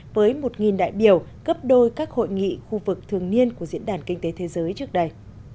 với một đại biểu gấp đôi các hội nghị khu vực thường niên của diễn đàn kinh tế thế giới trước đây